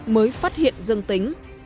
mới phát hiện dương tính